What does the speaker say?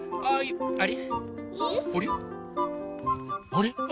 あれ？